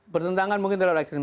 bertentangan mungkin terlalu ekstrim